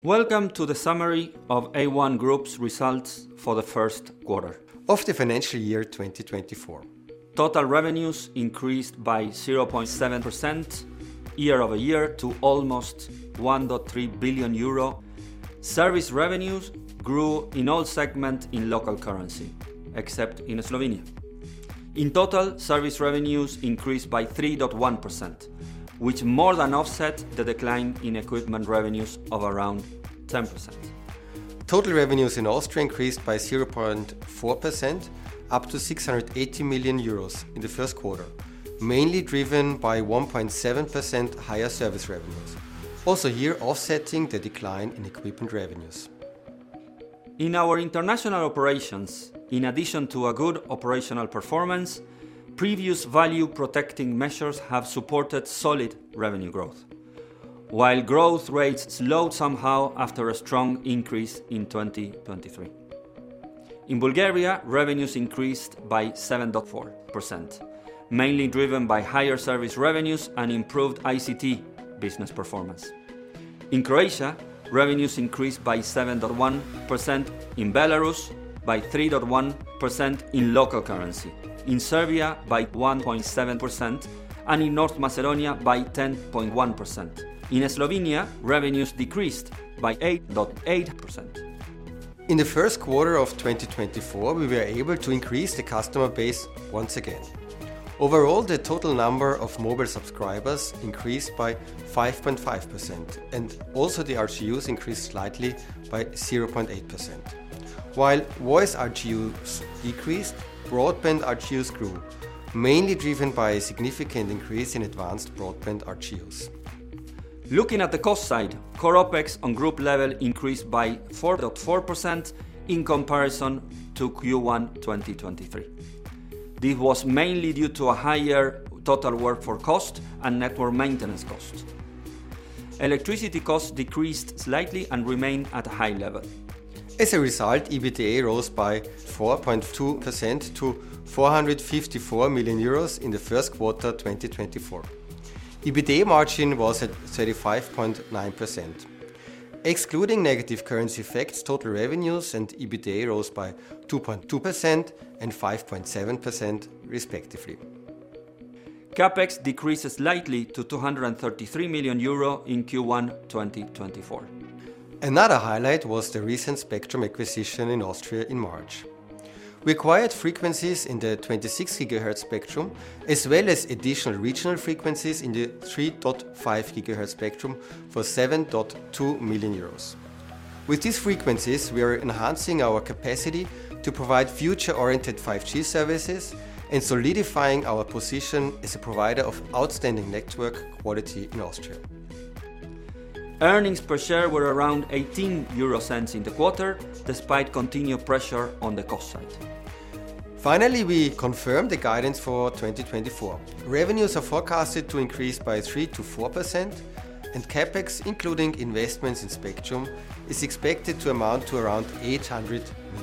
Welcome to the summary of A1 Group's results for the first quarter. Of the financial year 2024. Total revenues increased by 0.7% year-over-year to almost 1.3 billion euro. Service revenues grew in all segments in local currency, except in Slovenia. In total, service revenues increased by 3.1%, which more than offset the decline in equipment revenues of around 10%. Total revenues in Austria increased by 0.4%, up to 680 million euros in the first quarter, mainly driven by 1.7% higher service revenues, also here offsetting the decline in equipment revenues. In our international operations, in addition to a good operational performance, previous value protecting measures have supported solid revenue growth, while growth rates slowed somehow after a strong increase in 2023. In Bulgaria, revenues increased by 7.4%, mainly driven by higher service revenues and improved ICT business performance. In Croatia, revenues increased by 7.1%, in Belarus by 3.1% in local currency, in Serbia by 1.7%, and in North Macedonia by 10.1%. In Slovenia, revenues decreased by 8.8%. In the first quarter of 2024, we were able to increase the customer base once again. Overall, the total number of mobile subscribers increased by 5.5%, and also the RGUs increased slightly by 0.8%. While voice RGUs decreased, broadband RGUs grew, mainly driven by a significant increase in advanced broadband RGUs. Looking at the cost side, core OPEX on group level increased by 4.4% in comparison to Q1 2023. This was mainly due to a higher total workforce cost and network maintenance costs. Electricity costs decreased slightly and remain at a high level. As a result, EBITDA rose by 4.2% to 454 million euros in the first quarter 2024. EBITDA margin was at 35.9%. Excluding negative currency effects, total revenues and EBITDA rose by 2.2% and 5.7% respectively. CAPEX decreased slightly to 233 million euro in Q1 2024. Another highlight was the recent spectrum acquisition in Austria in March. We acquired frequencies in the 26 GHz spectrum, as well as additional regional frequencies in the 3.5 GHz spectrum for 7.2 million euros. With these frequencies, we are enhancing our capacity to provide future-oriented 5G services and solidifying our position as a provider of outstanding network quality in Austria. Earnings per share were around 0.18 in the quarter, despite continual pressure on the cost side. Finally, we confirmed the guidance for 2024. Revenues are forecasted to increase by 3%-4%, and CAPEX, including investments in spectrum, is expected to amount to around 800 million.